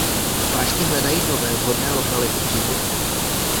Vážky hledají nové vhodné lokality k životu.